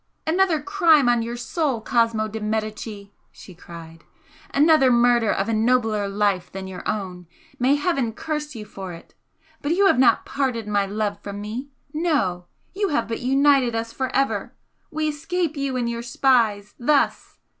"Another crime on your soul, Cosmo de Medicis!" she cried "Another murder of a nobler life than your own! may Heaven curse you for it! But you have not parted my love from me no! you have but united us for ever! We escape you and your spies thus!"